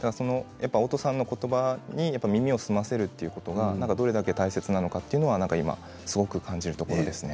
おとさんのことばに耳を澄ませるということがどれだけ大切なのかというのは今すごく感じることですね。